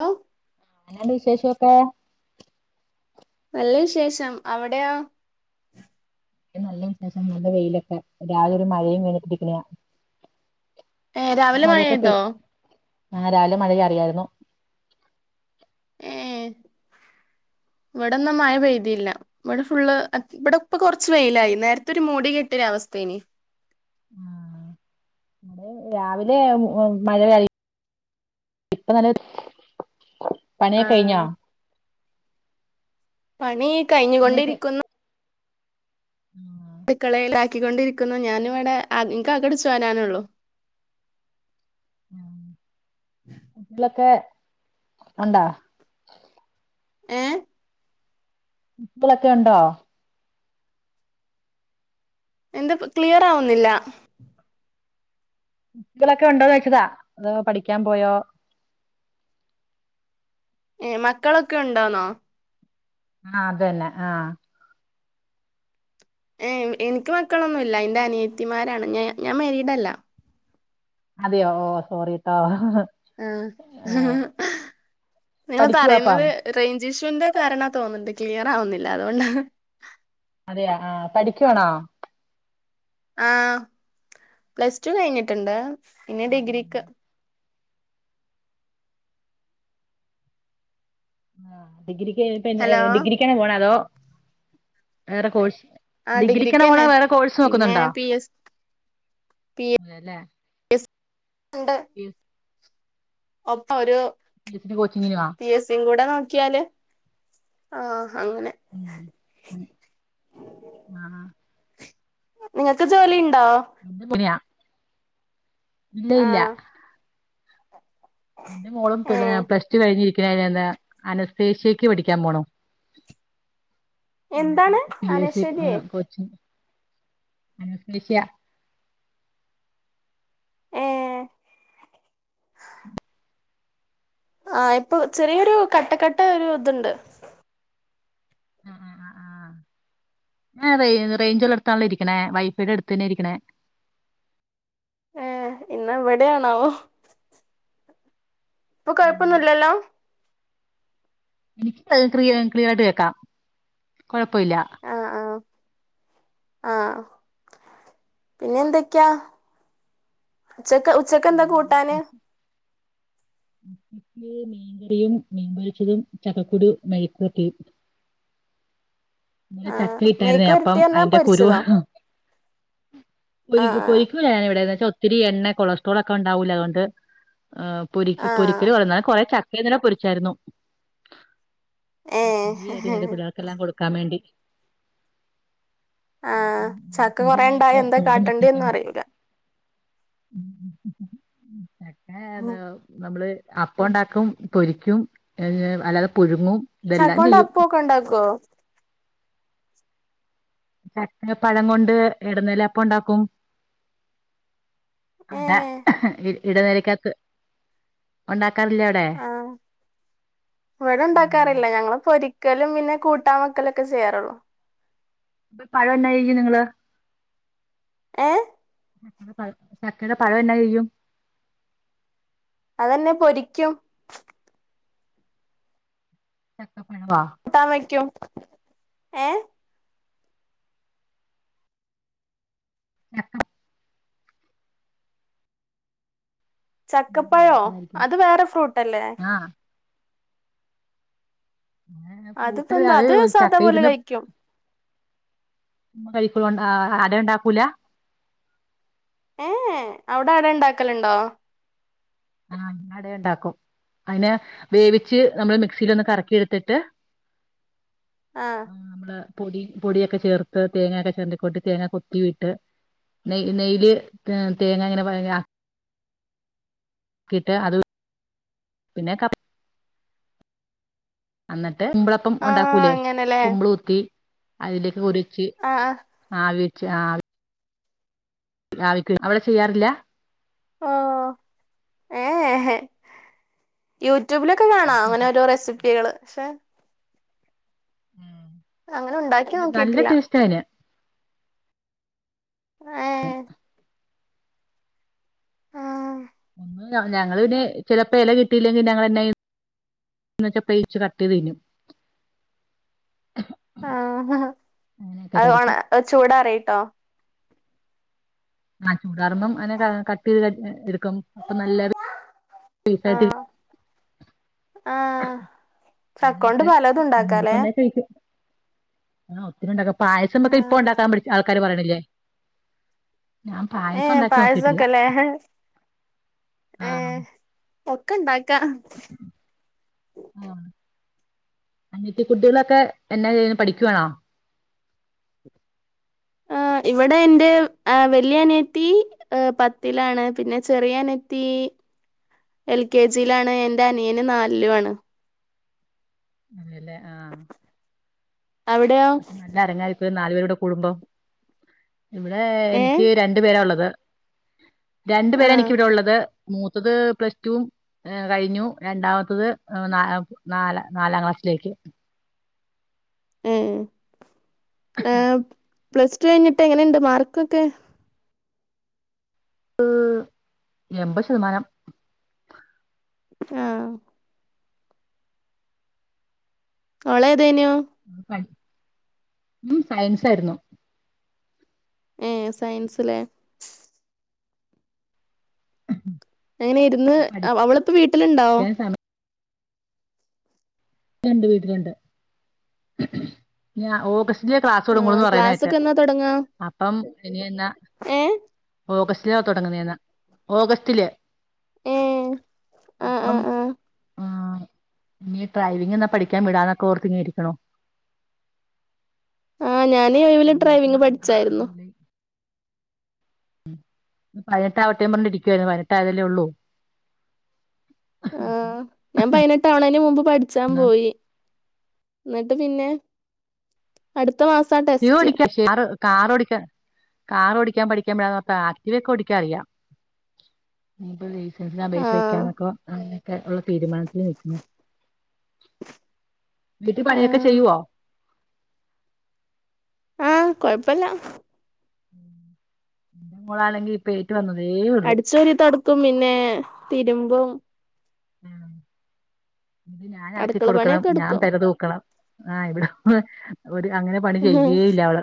Hello അങ്ങനണ്ട് വിശേഷൊക്കെ നല്ല വിശേഷം അവിടെയോ നല്ല വിശേഷം ന്നുടെ വെയിലൊക്കെ രാവിലെ ഒരു മഴയും കഴിഞ്ഞിട്ടിരിക്കണയാ ഏ ഇവിടെ രാവിലെ മഴ മഴയൊക്കെ പെയ്തോ പെയ് ആ രാവിലെ മഴ ചാറിയായിരുന്നു ഏ ഇവിടെന്ന് മഴ പെയ്തിയില്ല ഇവിടെ ഫുള് ഇവിടെ ഇപ്പ കുറച്ച് വെയിലായി നേരത്തെ ഒരു മൂടി കെട്ടിയ ഒരു അവസ്ഥേന് [inaudible] ആ അടെ രാവിലെ മഴ കഴി ഇപ്പൊ നല്ല ആ പണിയൊക്കെ കഴിഞ്ഞൊ പണി കഴിഞ്ഞുകൊണ്ടിരിക്കുന്നു ഉം അടുക്കളയിലാക്കിക്കൊണ്ടിരിക്കുന്നു ഞാനും ഇവിടെ നിങ്ങ അകംഅടിച്ചു വരാനുള്ളു [inaudible] ഉം കുട്ടികളൊക്കെ ഉണ്ടാ ഏ കുട്ടികളൊക്കെ ഉണ്ടോ എന്ത് ക്ലിയർ ആവുന്നില്ല ബുക്കുകളൊക്കെ ഉണ്ടോന്ന് ചോയ്ച്ചതാ അതോ പഠിക്കാൻ പോയോ ഏ മക്കളൊക്കെ ഉണ്ടോന്നോ ആ അതന്നെ ആ ഏ എനിക്ക് മക്കളൊന്നുംല്ല്യ എൻ്റെ അനിയത്തിമാരാണ് ഞ ഞാൻ മേരീടല്ല അതെയോ ഓ സോറീട്ട ആ നിങ്ങൾ പഠിക്കുവാ അപ്പം പറയുന്നത് റെയ് ജിഷുവിന്റെ കാരണാ തോന്ന്ണ്ട് ക്ലിയർ ആവുന്നില്ല അതുകൊണ്ടാ അതെയാ ആ പഠിക്കുവാണോ ആഹ് പ്ലസ് ടു കഴിഞ്ഞിട്ടുണ്ട് ഇനി ഡിഗ്രിക്ക് ആഹ് ഡിഗ്രിക്ക് പിന്നെ ഹലോ ഡിഗ്രിക്കാണ് പോണ അതോ വേറെ കോഴ്സ് ആ ഡിഗ്രിക്കണ പോണേ ഡിഗ്രിക്ക്ന്നെ വേറെ കോഴ്സ് പിന്നെ നോക്കുന്നുണ്ടോ പി എസ് പി എ വേല്ലേ ഉണ്ട് ഒപ്പ ഒരു പി എസ് സി കോച്ചിങ്ങിന് ആ പി എസി ഉം കൂടെ നോക്കിയാല് ആഹ് ഉം അതെ അഹ് നിങക്ക് ജോലി ഇന് [unintelligible] ഇല്ല ആ ഇല്ല എന്റെ മോളും ഏ പിന്നെ പ്ലസ് ടു കഴിഞ്ഞിരി [unintelligible] അനസ്തേഷ്യക്ക് പടിക്കാൻ പോണു എന്താണ് [unintelligible] പി എസ് സി അനശ്വരിയെ കോച്ചിങ് അനസ്തേഷ്യ ഏ ആ ഇപ്പൊ ചെറിയൊരു കട്ടക്കട്ട ഒരു ഇതുണ്ട് ആഹ് ആഹ് ആഹ് ആഹ് ഞാൻ റെയിഞ്ച് ഉള്ളിടത്ത് ആണല്ലോ ഇരിക്കണേ വൈഫൈയുടെ എടുത്തന്നെ ഇരിക്കണേ ഏഹ് ഇന്നാ ഇവടെയാണാവോ ഇപ്പൊ ഉം. കൊഴപ്പൊന്നുമല്ലല്ലോ എനിക്ക് ക് ക്ലിയർയായിട്ട് കേക്കാം കൊഴപ്പല്ല ആഹ് പിന്നെ എന്തൊക്കെയാ ഉച്ചക്ക് ഉച്ചക്ക് എന്താ കൂട്ടാന് ഉച്ചക്ക്. മീൻകറിയും മീൻപൊരിച്ചതും ചക്കക്കുരു മെഴുക്കുപുരട്ടി ഇന്നലെ ആ ചക്ക ഇട്ടായിരുന്നേ മെയ്ക്ക് വരട്ടി അപ്പം പറഞ്ഞാ അതിന്റെ കുരു പൊരിച്ചതോ പൊ ആ പൊരിക്കൂല ഞൻ ഇവിടെന്ന് പൊരിക്ക പൊരിക്കൂല ഞാൻ ഇവിടെ എന്ന് വെച്ചാൽ ഒത്തിരി എണ്ണ കൊളസ്ട്രോൾ ഒക്കെ ഉണ്ടാവൂലെ അതുകൊണ്ട് ആഹ് പൊരി ആ ആ പൊരിക്കല് കുറന്നാല കൊറെ ചക്കന് ഇങ്ങനെ പൊരിച്ചായിരുന്നു ഏ [unintelligible] പിള്ളേർക്കെല്ലാം കൊടുക്കാൻ വേണ്ടി ആ [unintelligible] ചക്ക കൊറേ ഉണ്ടായ എന്താ തോരൻ കാട്ടണ്ടേന്നും വെച്ചേക്കാണോ അറിയൂല ചക്കെ ഉം. നമ്മള് അപ്പം ഉണ്ടാക്കും പൊരിക്കും അല്ലാതെ പുഴുങ്ങും ഇതെല്ലാം ചക്കോണ്ട് ചെയ്യും അപ്പൊക്കെ ഉണ്ടാക്കോ ചക്ക പഴം കൊണ്ട് ഇടനില അപ്പം ഇണ്ടാക്കും ഏ അതാ ഇടലി എ [unintelligible] ലക്കാത്ത് ഉണ്ടാ - ആഹ് ഇവിടെ ഉം. ഉണ്ടാക്കാറില്ല ഞങ്ങള് പൊ- വക്കലും പിന്നെ കൂട്ടാൻ വെക്കലൊക്കെ ചെയ്യാറുള്ളൂ ഇപ്പൊ പഴം എന്നായിരിക്കും നിങ്ങള് ഏയ് ചക്ക ചക്കയുടെ പഴം എന്നാ ചെയ്യും അതെന്നെ പൊരിക്കും ചക്കപ്പഴവാ കൂട്ടാൻ വയ്ക്കും ഏ ആഹം [unintelligible] ചക്കപ്പഴോ എല്ലാർക്കുംതായിരിക്കും അത് വേറെ ഫ്രൂട്ടല്ലേ ആഹ് അതിപ്പോ ഫൂട്ട് എന്താ അത് സാധാ ചക്ക പോലെ ഇരുന്ന് കഴിക്കും പഴ- ആഹ് അട ഉണ്ടാക്കൂല ഏ ഏ അവിടെ അട ഉണ്ടാക്കലുണ്ടോ ആഹ് അട ഉണ്ടാക്കും അതിനെ വേവിച്ച് നമ്മള് മിക്സില് ഒന്ന് കറക്കിെടുത്തിട്ട് ആഹ് പൊടി പൊടിയൊക്കെ ചേർത്ത് തേങ്ങൊക്കെ ചേർണ്ടിക്കൊട്ട് തേങ്ങ കൊത്തി വിട്ട് നെയ്യ് നെയ്യിയില് തേങ്ങ ഇങ്ങനെ കിട്ട് അത് പിന്നെ എന്നിട്ട് കുമ്പിളപ്പം ആ ഉണ്ടാക്കൂലേ അങ്ങനെല്ലേ കുമ്പിള് കുത്തി അതിലേക്ക് ഒരു ച്ച് ആ ആ. ആവി വെച്ച്ആവി ആവിക്ക്‌ അവടെ ചെയ്യാറില്ല ഓ ഏ ഹേ ഹേ യു യുട്യൂബിലൊക്കെ കാണാം. അങ്ങനെ ഓരോ റെസിപ്പികൾ പക്ഷെ ഉം. അങ്ങനെ ഉണ്ടാക്കി നല്ല നോക്കിട്ടില്ല ടേസ്റ്റ് അതിന്. ഏ [unintelligible] ആ ഒന്ന് ഞങ്ങള് പിന്നെ ചിലപ്പോ ഇല കിട്ടിയില്ലെങ്കിൽ ഞങ്ങ എന്ന ച്ച പ്ലേറ്റ് കട്ട് ചെയ്ത് തിന്നും. [inaudible] ആഹ് ആഹ് ആഹ് അങ്ങനെയൊക്കെ അത്പോണ കഴിക്കും ചൂടാറിട്ടോ. ആ ചൂടാറുമ്പം അങ്ങെ കട്ട് ചെയ്ത് ക അപ്പൊ നല്ലരു ആഹ് ചക്കോണ്ട് അങ്ങനെയൊക്കെ പലതും അങ്ങനെയൊക്കെ ഉണ്ടാക്കാലേ? ഉണ്ടാക്കി കഴിക്കും ആ ഒത്തിരി ഉണ്ടാക്കാം. പായസം ആ ഒക്കെ ഇപ്പൊ ഉണ്ടാക്കാൻ ആൾക്കാര് പറയണില്ലേ? ഞാൻ പായസം ഏഹ് ഉണ്ടാക്കി നോക്കിയിട്ടില്ല പായസൊക്കെല്ലേ? ആ ഏഹ് ഒക്കെ ഉണ്ടാക്കം ആ അനിയത്തി കുട്ടികളൊക്കെ എന്നാ ചെയ്യാ പഠിക്കുവാണോ? [inaudible] ആ ഇവിടെ എന്റെ വലിയ അനിയത്തി പത്തിലാണ് പിന്നെ ചെറിയ അനിയത്തി- എൽ കെ ജിയിലാണ്. എന്റെ അനിയന് നാലിലും ആണ്. അതെയല്ലേ? അവിടെയോ? നാലു പേരുടെ കുടുമ്പം. ഇവിടെ ഏ എനിക്ക് രണ്ടു പേരാ ഉള്ളത്. രണ്ടു ആ പേരാ എനിക്കിവിടെ ഉള്ളത് മൂത്തത് പ്ലസ് ടുവും ഏ കഴിഞ്ഞു. രണ്ടാമത്തത് ന നാല നാലാം ക്ലാസ്സിലേക്ക്. മ് പ്ലസ് ടു കഴിഞ്ഞിട്ട് എങ്ങനെയുണ്ട് മാർക്കൊക്കെ? എൺമ്പത് ശതമാനം. ആഹ് ഓളെതേനു? ഉം സയൻസ് ആയിരുന്നു. ഏഹ് സയൻസ് ല്ലേ? അങ്ങനെ ഇരുന്ന് അ അവളിപ്പോ വീട്ടിലുണ്ടോ? പഠിക്കാൻ സമയം ലുണ്ട് വീട്ടിലുണ്ട് ഞാ ഓഗസ്റ്റ് ലേ ക്ലാസ് ആ തൊടങ്ങൂളൂന്ന് പറയുന്ന കേട്ടെ ക്ലാസ്സൊക്കെ എന്നാ തുടങ്ങാ അപ്പം ഇനി എന്നാ ഏ ഓഗസ്റ്റിലാ തൊടങ്ങുന്നേന്ന് ഓഗസ്റ്റില്. ഏ ആ ആ അപ്പം ആ ആഹ് ഇനി ഡ്രൈവിംഗ് എന്നാ പഠിക്കാൻ വിടാന്നൊക്കെ ഓർത്തിങ്ങനെ ഇരിക്കണു. ആഹ് ഞാന് ഈ ഒഴിവില് മാസം ഡ്രൈവിംഗ് പഠിച്ചായിരുന്നു. ഉം ഇനി പതിനെട്ടാവട്ടേന്ന് പറഞ്ഞ് ഇരിക്കുവായിരുന്നു പതിനെട്ടായതല്ലേ ഉള്ളൂ. അപ്പം ആഹ് ഞാൻ പതിനെട്ടാവണേന് മുമ്പ് പഠിച്ചാൻ പോയി. എന്നിട്ട് പിന്നെ അടു [unintelligible] കാറ് കാറ് ഓടിക്കാൻ കാറ് ഓടിക്കാൻ പഠിക്കാൻ വിടാന്നോർത്ത് ആക്ടിവ ഒക്കെ ഓടിക്കാനറിയാം. [unintelligible] [unintelligible] ആ അപേക്ഷ വെക്കാനൊക്കെ ആഹ് ക്കെ ഒള്ള തീരുമാനത്തി നിക്കുന്നു വീട്ടി ആ പണിയൊക്കെ ചെയ്യുവോ ആഹ് കൊഴപ്പല്ല മോളാണെങ്കി ഇപ്പഏറ്റ് വന്ന അടിച്ച് വാരി തൊടക്കും പിന്നെ തിരുമ്പും ആഹ് ഇത് ഞാൻ അലക്കി അടുക്കള കൊടുക്കണം പണിയൊക്കെ ഞാൻ എടുക്കും പെരതൂക്കണം ആഹ് ഇവിടെ ഒരു അങ്ങനെ പണി ചെയ്യേല്ല അവള്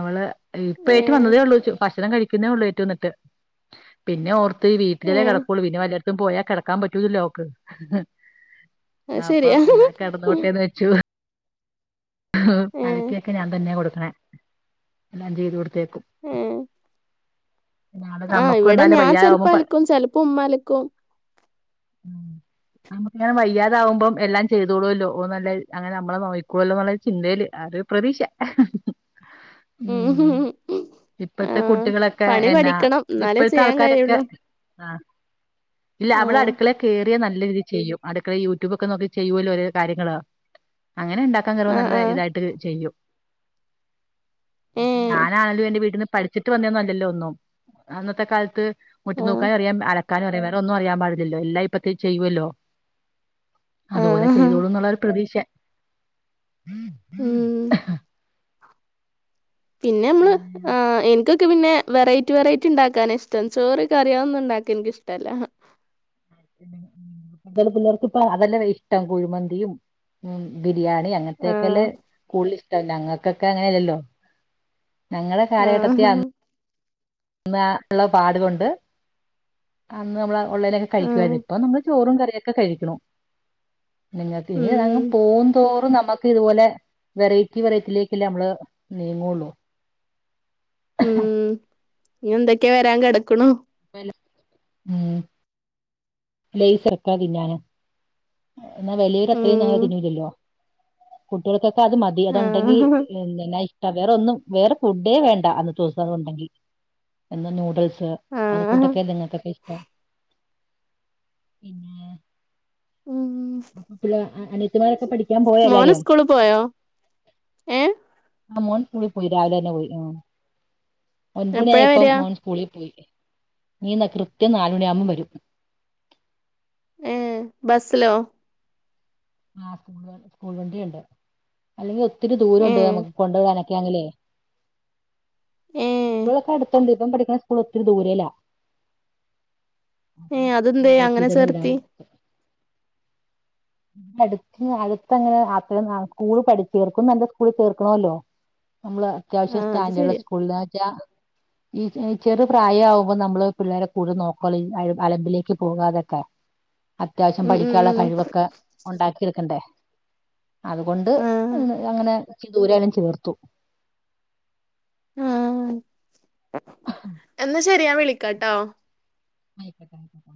അവള് ഇപ്പ ഏ ഏറ്റു വന്നതേ ഉള്ളൂ ഭക്ഷണം കഴിക്കുന്നതേ ഉള്ളൂ ഏറ്റു വന്നിട്ട് പിന്നെ ഓർ ഇപ്പ ഈ ഏ വീട്ടിലല്ലേ നടക്കോള്ളൂ പിന്നെ വല്ലോട്ത്തും പോയാ കെടക്കാ പറ്റൂലല്ലൊ അവക്ക് അത് ആഹ് അപ്പൊ ശരിയാ എന്താ കെടന്നോട്ടേന്ന് വെച്ചു ഏ അലക്ക്യൊക്കെ ഞാൻ തന്നെ കൊടുക്ക്ണേ എല്ലാം ചെയ്ത് കൊട്ത്തേ ഏഹ് നാളെ ആഹ് നമ്മുക്കും ഇവടെ എന്നാല് ഞാൻ ചെലപ്പൊ വയ്യാതാവുമ്പം പ അലക്കും ചെലപ്പൊ ഉമ്മ അലക്കും നമ്മക്ക്ങ്ങനെ വയ്യാതാവുമ്പം എല്ലാം ചെയ്തോളുവല്ലോ ഓഹ് നല്ലെ അങ്ങനെ നമ്മളെ നോയിക്കോളല്ലോന്ന്ള്ളൊര് ചിന്തേല് അത് പ്രതീക്ഷ ഉം ഇപ്പത്തെ ആഹ് കുട്ടികളൊക്കെ പണി എന്നാ പഠിക്കണം എന്നാലേ ഇപ്പഴത്തെ ചെയ്യാൻ ആൾക്കാരൊക്കെ കഴിയുള്ളൂ ആഹ് ആഹ് [unintelligible] നല്ലരീതി ചെയ്യും അടുക്കളെ യൂട്യൂബൊക്കെ നോക്കി ചെയ്യുവല്ലോ ഒരോരൊ കാര്യങ്ങള് അങ്ങനെ ഇണ്ടാക്കാ കേറ്മ്പോ ആഹ് നല്ല ആഹ് ഇതായിട്ട് ചെയ്യും ഇപ്പ ഏഹ് ഞാനാണേലു എന്റെ വീട്ട്ന്ന് പഠിച്ചിട്ട് വന്നേന്നല്ലല്ലോ ഒന്നും അന്നത്തെ കാലത്ത് മുറ്റം ആഹ് തൂക്കാനും അറിയാം അലക്കാനും അറിയാ വേറെ ഒന്നും അറിയാ പാടില്ലല്ലോ എല്ലാം ഇപ്പത്തെ ചെയ്യുവല്ലോ അതുപോലെ ആഹ് ചെയ്തോളുംന്നുള്ളൊരു പ്രതീക്ഷ ഉം പിന്നെ അമ്മള് ആഹ് എന്ക്ക് ക്ക് പിന്നെ വെറൈറ്റി വെറൈറ്റി ഇണ്ടാക്കാനാ ഇഷ്ടം ചോറ് കറി അഹ് ഒന്നും ഇണ്ടാക്കാ ഇന്ക്ക് ഇഷ്ടല്ല [unintelligible] പിള്ളേർക്ക്പ്പം അതെല്ലല്ലോ ഇഷ്ടം കുഴിമന്തിയും ഉം ബി ബിരിയാണി അങ്ങൻത്തക്കെല്ലേ ആഹ് കൂടുതല് ഇഷ്ടം ഞങ്ങക്കൊക്കെ അങ്ങനെയല്ലല്ലോ ഞങ്ങളെ കാലഘട്ടത്തി ആഹ് അ ന്നാ ഇള്ള പാട്കൊണ്ട് അന്ന് അമ്മളെ ഉള്ളേനെക്കെ ആഹ് കഴിക്കുവാരുന്നു ഇപ്പൊ നമ്മള് ചോറും കറിയൊക്കെ കഴിക്ക്ണു നിങ്ങക്ക് ഉം [unintelligible] പോവും തോറും നമ്മ ക്ക് ഇത്പോലെ വെറൈറ്റി വെറൈറ്റിയിലേക്കല്ലേ നമ്മള് നീങ്ങോള്ളു ഉം ഇനി എന്തൊക്കെയാ വരാൻ കെടക്കണോ ഉം ല സർക്കാ ദഞാണ് [unintelligible] എന്നാൽ വലിയവർ അത്രയും ഉം അങ്ങനെ തിന്നുല്ലല്ലോ കുട്ടികൾക്ക- അത് മതി അതുണ്ടെങ്കിൽ ആഹ് [unintelligible] ഇഷ്ട വേറെൊന്നും വേറെ ഫുഡേ വേണ്ട അന്ന് ദിവസ അത് ഉണ്ടെങ്കിൽ എന്നന്ന് നൂഡിൽസ് അത് ആഹ് കൊണ്ടടൊക്കയല്ലേ നിങ്ങക്കൊക്കെ ഇഷ്ടം പിന്നെ ഉം അപ്പൊ പിന്നെ അനിയത്തിമാരൊക്ക പഠിക്കാൻ പോയോ മോന് എല്ലാരും സ്കൂള് പോയോ ഏഹ് അൻ [unintelligible] സ്കൂളിൽ പോയി രാവിലെ തന്നെ പോയി ആ എപ്പഴാ ഒൻപണിയായപ്പം വരിക മോൻ സ്കൂളിൽ പോയി നീ [unintelligible] ന കൃത്യം നാലുണിയാകുമ്പം വരും ഏ ബസ്സിലോ ആ സ്കൂൾ സ്കൂൾ വണ്ടിയുണ്ട് അല്ലെങ്കിൽ ഒത്തിരി ദൂരം ഏ ഉണ്ട് നമുക്ക് കൊണ്ടു പോകാനൊക്കെ ഇൊ ഏ [unintelligible] ക്കെ അടുത്തണ്ട് ഇപ്പം പഠിക്കണ സ്കൂൾ ഒത്തിരി ദൂരെല ഏ അപ്പം സ്കൂൾ അതെന്തേ ബസി അങ്ങനെ തന്നെ ചേർത്തി വിടാന്ന് അടു അടുത്ത അങ്ങനെ അത്ര സ്കൂള് പഠിച്ചച്ച് ചേർക്കും നല്ല സ്കൂള് ചേർക്കണല്ലോ നമ്മള് ആ അത്യാവശ്യം അത് സ്റ്റാൻഡേർഡ് ശരിയാ സ്കൂൾ എന്ന് വച്ചാ ഈ ചെറു പ്രായ ആവുമ്പോൾ നമ്മള് പിള്ളേരെ കൂടെ നോക്കളൂ അലമ്പിലേക്ക് പോകാതൊക്കെ. അത്യാവശ്യം ഉം ഉം പഠിക്കാനുള്ള ഉം കഴിവൊക്കെ ഉണ്ടാക്കിടുക്കണം. അതുകൊണ്ട് ആ അങ്ങനെദൂരാലും ചേർത്തു. ഉ എന്നാ ശരിയാാ വിളിക്കാട്ടോ. ആയിക്കട്ടെ ആയിക്കട്ട